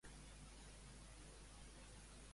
Els llops són gossos lliures i s'han de protegir i cuidar